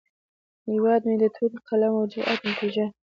هیواد مې د تورې، قلم، او جرئت نتیجه ده